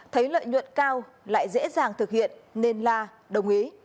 thấy lợi nhuận cao lại dễ dàng thực hiện nên la đồng ý